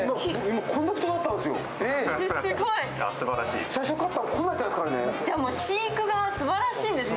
今こんな太なったんですよ。